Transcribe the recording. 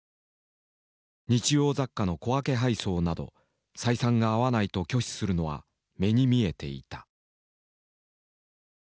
「日用雑貨の小分け配送など採算が合わない」と拒否するのは目に見えていた。